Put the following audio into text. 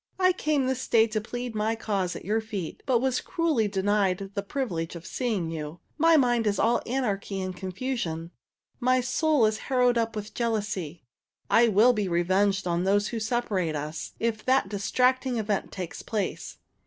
"I came this day to plead my cause at your feet, but was cruelly denied the privilege of seeing you. My mind is all anarchy and confusion. My soul is harrowed up with jealousy. I will be revenged on those who separate us, if that distracting event take place.